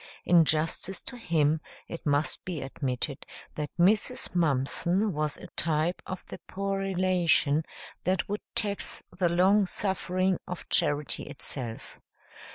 In justice to him, it must be admitted that Mrs. Mumpson was a type of the poor relation that would tax the long suffering of charity itself.